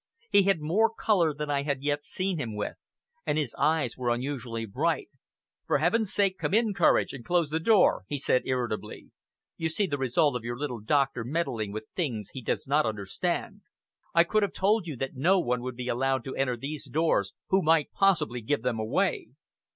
He had more color than I had yet seen him with, and his eyes were unusually bright. "For Heaven's sake come in, Courage, and close the door," he said irritably. "You see the result of your little doctor meddling with things he does not understand. I could have told you that no one would be allowed to enter these doors who might possibly give them away."